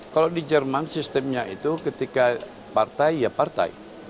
kalau di jerman sistemnya itu ketika partai ya partai